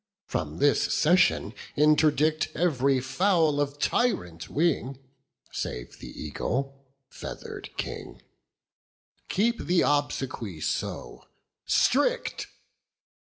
From this session interdict Every fowl of tyrant wing 10 Save the eagle, feather'd king: Keep the obsequy so strict.